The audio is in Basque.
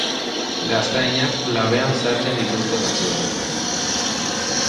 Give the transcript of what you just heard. Gaztainak labean sartzen dituzte batzuek.